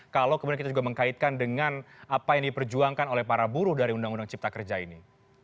kalau kemudian kita juga mengkaitkan dengan apa yang diperjuangkan oleh para buruh dari undang undang cipta kerja ini